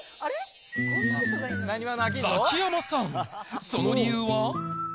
ザキヤマさん、その理由は？